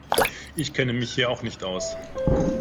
Ich kenne mich hier auch nicht aus.